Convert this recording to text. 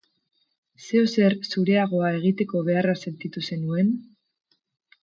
Zeozer zureagoa egiteko beharra sentitu zenuen?